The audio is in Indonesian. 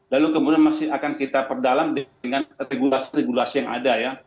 lalu kemudian masih akan kita perdalam dengan regulasi regulasi yang ada ya